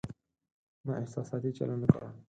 ما احساساتي چلند وکړ